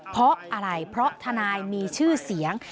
เพราะอะไรเพราะทนายมีชื่อเสียง